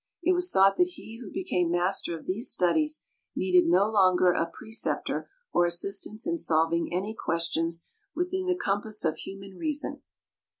It was thought that he who became master of these studies needed no longer a preceptor or assistance in solving any questions within the compass of human reason.